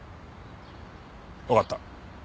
わかった。